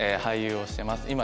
俳優をしてます。